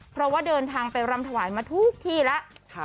เพราะว่าเดินทางไปรำถวายมาทุกที่แล้ว